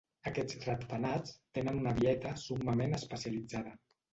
Aquests ratpenats tenen una dieta summament especialitzada.